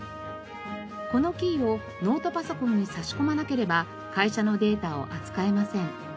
このキーをノートパソコンに差し込まなければ会社のデータを扱えません。